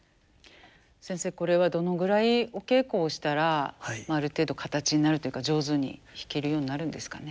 先生これはどのぐらいお稽古をしたらある程度形になるというか上手に弾けるようになるんですかね。